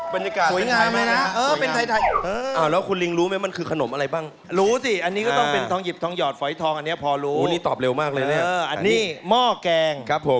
บรรยากาศสวยงามเลยนะ